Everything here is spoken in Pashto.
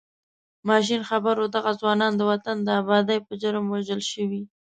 ماشین خبر و دغه ځوانان د وطن د ابادۍ په جرم وژل شوي.